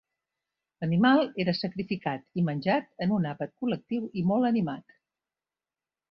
L'animal era sacrificat i menjat en un àpat col·lectiu i molt animat.